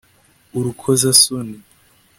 Urukozasoni